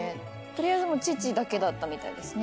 取りあえず父だけだったみたいですね。